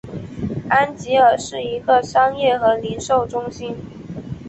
安吉尔是一个商业和零售中心。